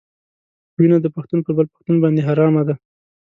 وینه د پښتون پر بل پښتون باندې حرامه ده.